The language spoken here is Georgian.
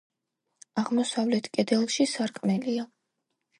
აღმოსავლეთ კედელში სარკმელია.